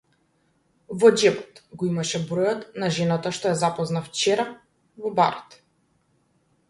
Во џебот го имаше бројот на жената што ја запозна вчера, во барот.